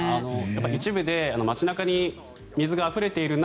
一部で街中に水があふれている中